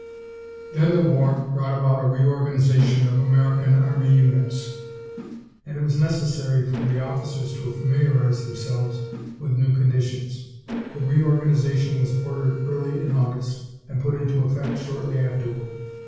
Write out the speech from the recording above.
Then the war brought about a reorganization of American army units, and it was necessary for the officers to familiarize themselves with new conditions. The reorganization was ordered early in August, and put into effect shortly afterward.